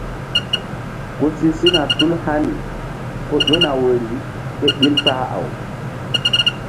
Ku si sina tul hani ko ƴona woyri ké ɓil kpah-aw.